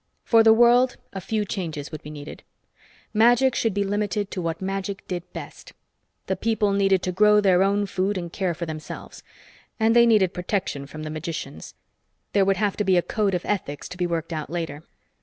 For the world, a few changes would be needed. Magic should be limited to what magic did best; the people needed to grow their own food and care for themselves. And they needed protection from the magicians. There would have to be a code of ethics to be worked out later.